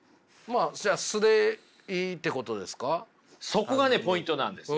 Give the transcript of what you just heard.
そこがねポイントなんですよ。